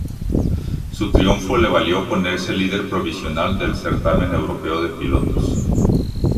Su triunfo le valió ponerse líder provisional del certamen europeo de pilotos.